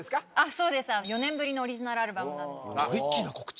そうです４年ぶりのオリジナルアルバムなんですけどトリッキーな告知